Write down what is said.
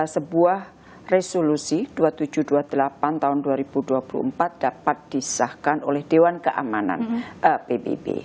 sebuah resolusi dua ribu tujuh ratus dua puluh delapan tahun dua ribu dua puluh empat dapat disahkan oleh dewan keamanan pbb